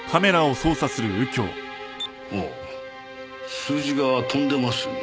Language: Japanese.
あ数字が飛んでますね。